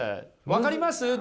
分かります？